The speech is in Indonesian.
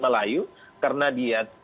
melayu karena dia